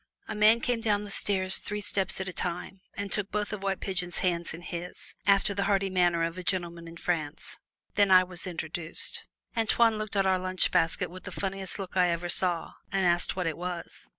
A man came down the stairs three steps at a time, and took both of White Pigeon's hands in his, after the hearty manner of a gentleman of France. Then I was introduced. Antoine looked at our lunch basket with the funniest look I ever saw, and asked what it was.